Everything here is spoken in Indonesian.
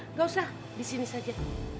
nggak usah disini saja